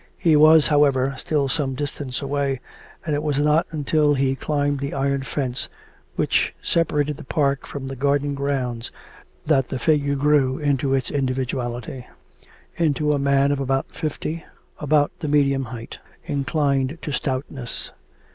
He was, however, still some distance away, and it was not until he climbed the iron fence which separated the park from the garden grounds that the figure grew into its individuality, into a man of about fifty, about the medium height, inclined to stoutness.